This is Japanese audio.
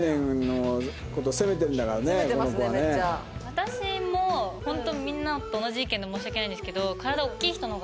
私もホントみんなと同じ意見で申し訳ないんですけど。